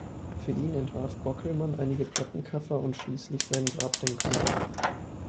Für ihn entwarf Bockelmann einige Plattencover und schließlich sein Grabdenkmal.